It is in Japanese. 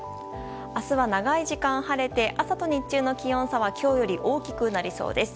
明日は長い時間晴れて朝と日中の気温差は今日より大きくなりそうです。